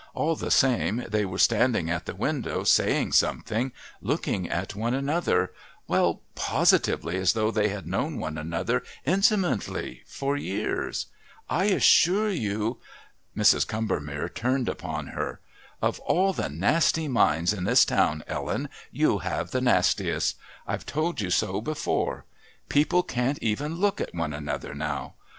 All the same, they were standing at the window saying something, looking at one another, well, positively as though they had known one another intimately for years. I assure you " Mrs. Combermere turned upon her. "Of all the nasty minds in this town, Ellen, you have the nastiest. I've told you so before. People can't even look at one another now.